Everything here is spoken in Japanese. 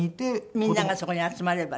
みんながそこに集まればね。